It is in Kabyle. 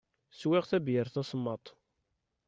Swiɣ tabeyyirt tasemmaḍt.